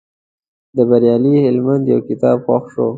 د بریالي هلمند یو کتاب خوښ شو.